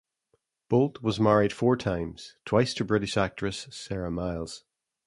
Bolt was married four times, twice to British actress Sarah Miles.